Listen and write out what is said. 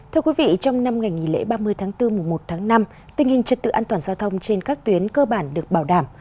thưa quý vị trong năm ngày nghỉ lễ ba mươi tháng bốn mùa một tháng năm tình hình trật tự an toàn giao thông trên các tuyến cơ bản được bảo đảm